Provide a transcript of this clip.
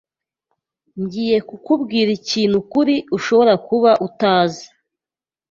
Ngiye kukubwira ikintu kuri ushobora kuba utazi.